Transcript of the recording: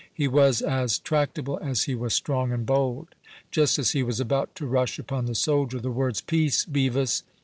He was as tractable as he was strong and bold. Just as he was about to rush upon the soldier, the words, "Peace, Bevis!"